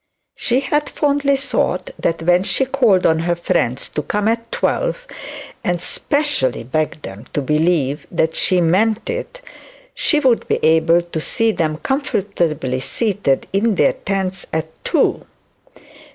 She had fondly thought that when she called on her friends to come at twelve, and especially begged them to believe that she meant it, she would be able to see them comfortably seated in their tents at two.